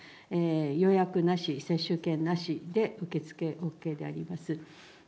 予約なし、接種券なしで受け付けＯＫであります。